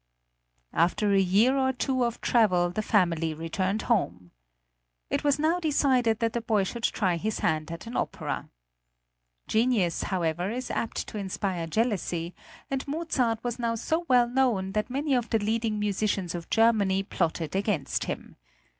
After a year or two of travel the family returned home. It was now decided that the boy should try his hand at an opera. Genius, however, is apt to inspire jealousy, and Mozart was now so well known that many of the leading musicians of Germany plotted against him.